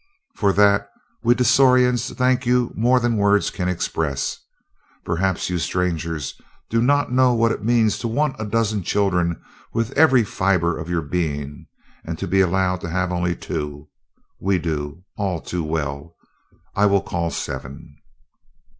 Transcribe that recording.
"For that we Dasorians thank you more than words can express. Perhaps you strangers do not know what it means to want a dozen children with every fiber of your being and to be allowed to have only two we do, all too well I will call Seven."